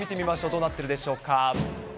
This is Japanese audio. どうなってるでしょうか。